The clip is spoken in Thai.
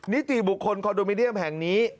นิติบุคคลคอนโดมิเนียมแห่งนี้